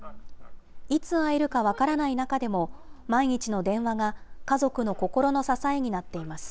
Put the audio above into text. いつ会えるか分からない中でも、毎日の電話が家族の心の支えになっています。